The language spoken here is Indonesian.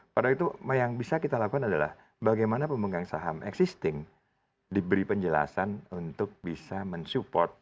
pada itu yang bisa kita lakukan adalah bagaimana pemegang saham existing diberi penjelasan untuk bisa mensupport